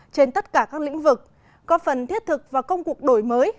trên tất cả các lĩnh vực có phần thiết thực và công cuộc đổi mới